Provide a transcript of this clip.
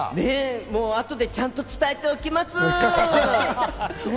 あとでちゃんと伝えておきます。